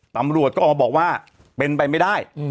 ตำรวจก็ออกมาบอกว่าเป็นไปไม่ได้